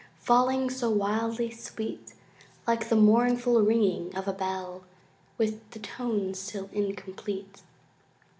Falling so wildly sweet, Like the mournful ringing of a bell With the tones still incomplete.